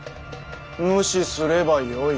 無視すればよい。